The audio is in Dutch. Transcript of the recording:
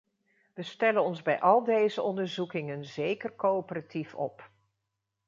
We stellen ons bij al deze onderzoekingen zeker coöperatief op.